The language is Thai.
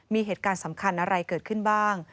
มีเหตุการณ์สำคัญอะไรเกิดขึ้นบ้าง